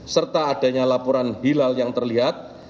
serta adanya laporan hilal yang terlihat